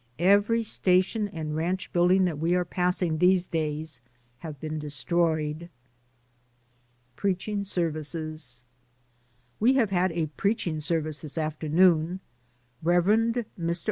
Every station and ranch building that we are passing these days have been destroyed. PREACHING SERVICES. We have had a preaching service this afternoon. Rev. Mr.